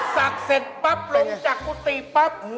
เสร็จปั๊บลงจากกุฏิปั๊บ